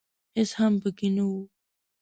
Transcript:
هېڅ هم پکښې نه و .